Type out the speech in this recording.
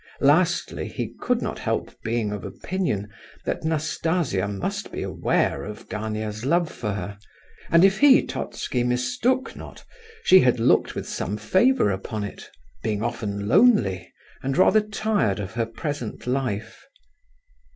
Lastly, he could not help being of opinion that Nastasia must be aware of Gania's love for her, and if he (Totski) mistook not, she had looked with some favour upon it, being often lonely, and rather tired of her present life.